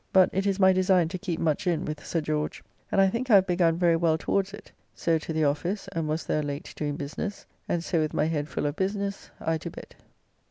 But it is my design to keep much in with Sir George; and I think I have begun very well towards it. So to the office, and was there late doing business, and so with my head full of business I to bed.